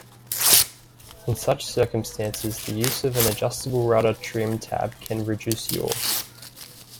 In such circumstances, the use of an adjustable rudder trim tab can reduce yaw.